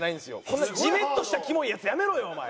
こんなジメッとしたキモイやつやめろよお前。